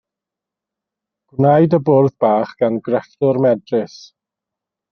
Gwnaed y bwrdd bach gan grefftwr medrus.